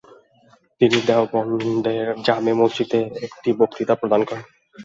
তিনি দেওবন্দের জামে মসজিদে একটি বক্তৃতা প্রদান করেন।